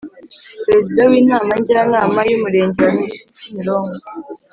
Perezida w Inama Njyanama y Umurenge wa kimironko